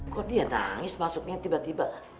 kok dia tangis masuknya tiba tiba